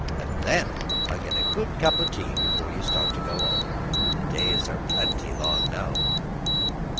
Then I'll get you a good cup o' tea before you start to go home. The days are plenty long now."